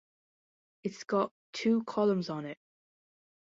It's got two columns on it.